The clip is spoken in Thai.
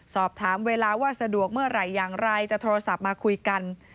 สอบถามเวลาว่าสะดวกเมื่อไหร่อย่างไรจะโทรศัพท์มาคุยกัน